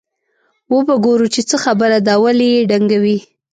وبه ګورو چې څه خبره ده ولې یې ډنګوي.